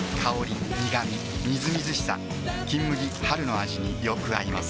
みずみずしさ「金麦」春の味によく合います